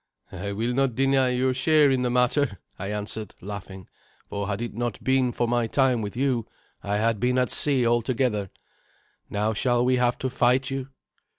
"I will not deny your share in the matter," I answered, laughing, "for had it not been for my time with you I had been at sea altogether. Now, shall we have to fight you?"